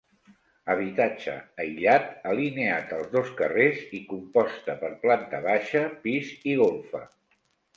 Habitatge aïllat alineat als dos carrers i composta per planta baixa, pis i golfa.